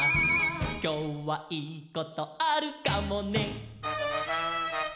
「きょうはいいことあるかもね」